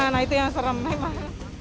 nah itu yang serem memang